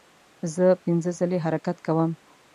زه پنځه ځلې حرکت کوم.